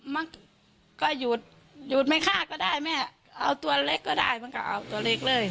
มันก็หยุดหยุดไม่ฆ่าก็ได้แม่เอาตัวเล็กก็ได้มันก็เอาตัวเล็กเลย